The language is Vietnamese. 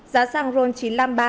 giá xăng roll chín trăm năm mươi ba